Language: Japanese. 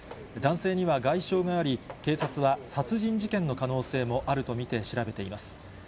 男性には外傷があり、警察は殺人事件の可能性もあると見て調べています。